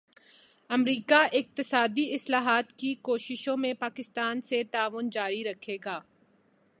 امریکا اقتصادی اصلاحات کی کوششوں میں پاکستان سے تعاون جاری رکھے گا